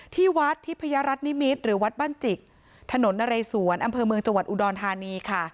ที่วัดทิพยรัฐนิมิตรหรือวัดบ้านจิกถนนนะเรสวนอำเภอเมืองจังหวัดอุดรธานีค่ะ